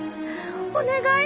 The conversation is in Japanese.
お願い。